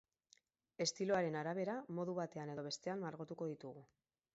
Estiloaren arabera, modu batean edo bestean margotuko ditugu.